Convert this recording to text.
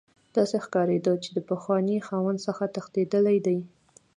داسې ښکاریده چې د پخواني خاوند څخه تښتیدلی دی